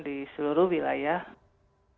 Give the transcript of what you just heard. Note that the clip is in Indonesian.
di seluruh wilayah